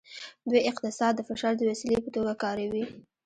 دوی اقتصاد د فشار د وسیلې په توګه کاروي